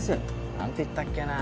何ていったっけな